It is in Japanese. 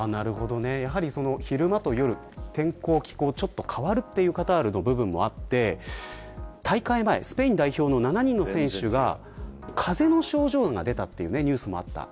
昼間と夜天候や気候が変わるという部分がカタールであって大会前にスペイン代表の７人の選手が風邪の症状が出たというニュースもありました。